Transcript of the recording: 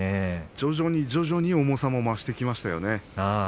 徐々に徐々にうまさも増してきましたよね。